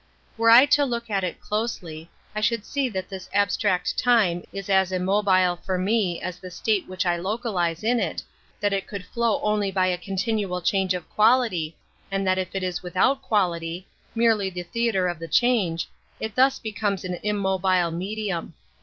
Were I to look at it closely, I should see that this abstract time is as immobile for me as the state which I localize in it, that it could flow only by a continual change of quality, and that if it is without quality, merely the theatre of the change, it thus becomes an immobile medium.